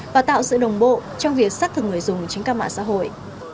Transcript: và tạo sự đồng bộ trong việc xác thực người dùng trên các mạng xã hội